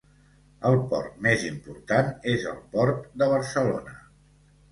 El port més important és el port de Barcelona.